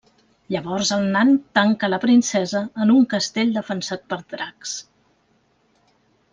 Llavors el nan tanca la princesa en un castell defensat per dracs.